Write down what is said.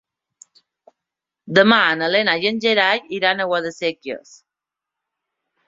Demà na Lena i en Gerai iran a Guadasséquies.